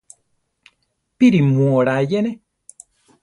¿Píri mu oraa eyene?